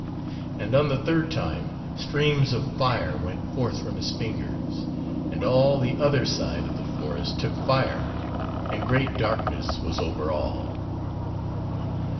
And on the third time streams of fire went forth from his fingers, and all the "other side" of the forest took fire, and great darkness was over all.